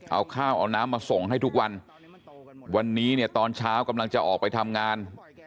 เอาข้าวเอาน้ำมาส่งให้ทุกวันวันนี้เนี่ยตอนเช้ากำลังจะออกไปทำงาน